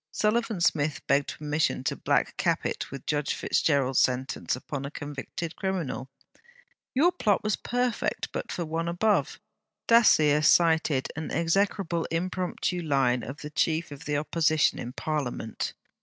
Sullivan Smith begged permission to 'black cap' it with Judge FitzGerald's sentence upon a convicted criminal: 'Your plot was perfect but for One above.' Dacier cited an execrable impromptu line of the Chief of the Opposition in Parliament.